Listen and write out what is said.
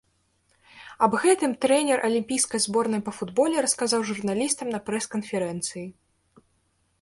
Аб гэтым трэнер алімпійскай зборнай па футболе расказаў журналістам на прэс-канферэнцыі.